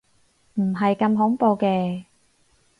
唔係咁恐怖嘅